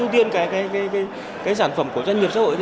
ưu tiên cái sản phẩm của doanh nghiệp xã hội